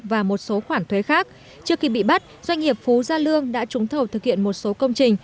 và một số khoản thuế khác trước khi bị bắt doanh nghiệp phú gia lương đã trúng thầu thực hiện một số công trình